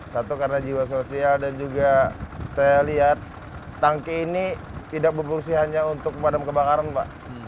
satu karena jiwa sosial dan juga saya lihat tangki ini tidak berfungsi hanya untuk pemadam kebakaran pak